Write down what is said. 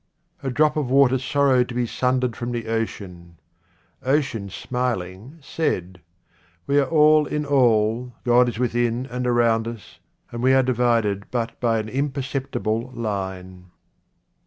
A drop of water sorrowed to be sundered from the ocean. Ocean smiling said, " We are all in all, God is within and around us, and we are divided but by an imperceptible line."